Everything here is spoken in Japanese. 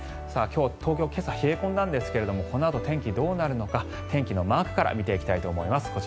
今日、東京は今朝冷え込んだんですがこのあと天気どうなるのか天気のマークから見ていきたいと思います。